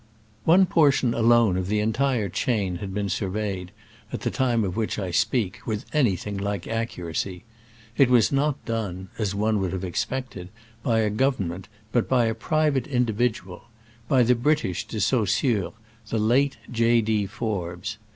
One portion alone of the entire chain had been surveyed, at the time of which I speak, with anything like accuracy. It was not done (as one would have ex pected) by a government, but by a pri vate individual — ^by the British De Saus sure, the late J. D. Forbes.